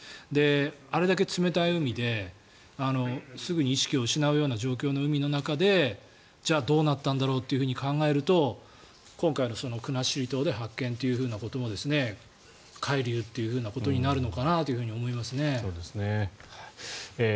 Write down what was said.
あれだけ冷たい海ですぐに意識を失うような状況の海でじゃあ、どうなったんだろうと考えると今回の国後島で発見ということは海流ということになるのかなと思いますね。